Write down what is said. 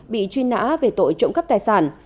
bị truy nã về tội trộm cấp tài sản